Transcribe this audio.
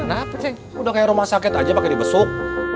kenapa cek udah kayak rumah sakit aja pake dibesuk